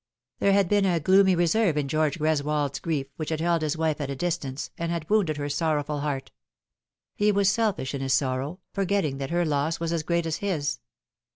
There had been a gloomy reserve in George Greswold's grief which had held his wife at a distance, and had wounded her sorrowful heart. He was selfish in his sorrow, forgetting that her loss was as great as his.